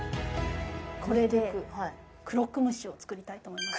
これでクロックムッシュを作りたいと思います